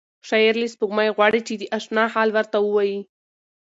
شاعر له سپوږمۍ غواړي چې د اشنا حال ورته ووایي.